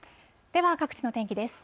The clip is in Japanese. では、各地の天気です。